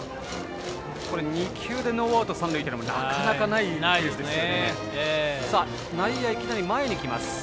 ２球でノーアウト、三塁というのもなかなかないですね。